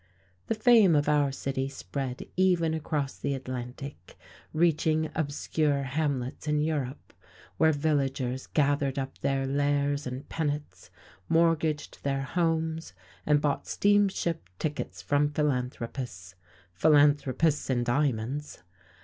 The fame of our city spread even across the Atlantic, reaching obscure hamlets in Europe, where villagers gathered up their lares and penates, mortgaged their homes, and bought steamship tickets from philanthropists, philanthropists in diamonds.